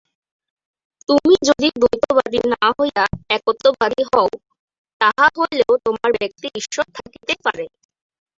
তুমি যদি দ্বৈতবাদী না হইয়া একত্ববাদী হও, তাহা হইলেও তোমার ব্যক্তি-ঈশ্বর থাকিতে পারে।